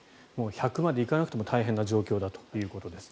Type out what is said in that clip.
１００まで行かなくても大変な状況だということです。